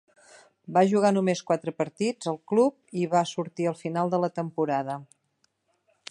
Va jugar només quatre partits al club, i va sortir al final de la temporada.